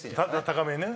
高めね。